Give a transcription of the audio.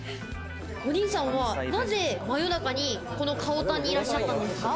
お兄さんは、なぜ真夜中にこのかおたんにいらっしゃったんですか？